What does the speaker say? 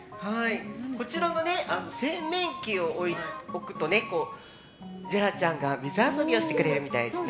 洗面器を置くとジェラちゃんが水遊びをしてくれるみたいですね。